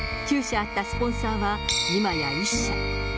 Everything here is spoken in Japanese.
９社あったスポンサーは今や１社。